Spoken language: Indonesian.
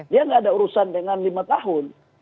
dia nggak ada urusan dengan lima tahun